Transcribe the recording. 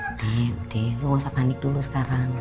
udah udah lo gak usah panik dulu sekarang